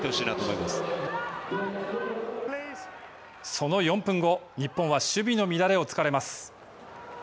その４分後、日本は守備の乱れをつかれます。